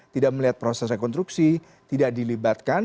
tidak melihat proses rekonstruksi tidak dilibatkan